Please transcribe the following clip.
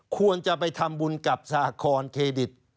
ควรจะไปทำบุญกับสาครเครดิต